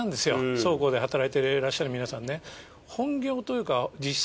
倉庫で働いていらっしゃる皆さんね。